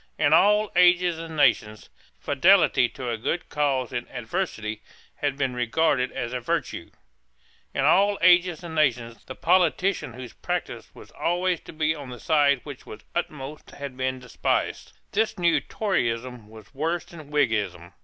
In all ages and nations, fidelity to a good cause in adversity had been regarded as a virtue. In all ages and nations, the politician whose practice was always to be on the side which was uppermost had been despised. This new Toryism was worse than Whiggism.